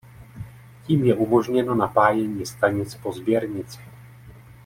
Tím je umožněno napájení stanic po sběrnici.